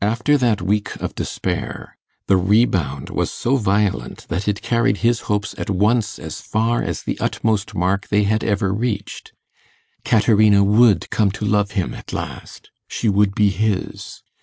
After that week of despair, the rebound was so violent that it carried his hopes at once as far as the utmost mark they had ever reached. Caterina would come to love him at last; she would be his.